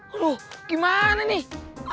aduh gimana nih